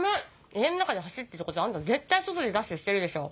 家の中で走ってるってことはあんた絶対外でダッシュしてるでしょ。